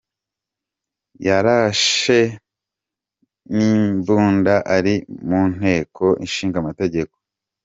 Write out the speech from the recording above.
Yarashe n'imbunda ari mu nteko ishingamategeko.